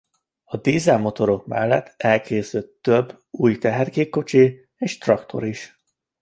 A dízelmotorok mellett elkészült több új tehergépkocsi- és traktor is.